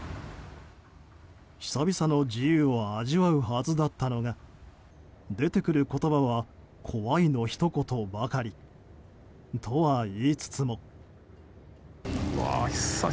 久々の自由を味わうはずだったのが出てくる言葉は怖いのひと言ばかり。とは言いつつも。